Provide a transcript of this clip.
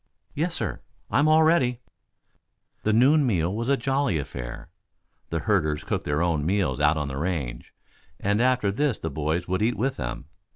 "Yes, sir. I'm all ready." The noon meal was a jolly affair. The herders cooked their own meals out on the range, and after this the boys would eat with them.